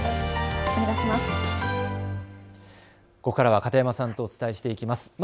ここからは片山さんとお伝えしていきます。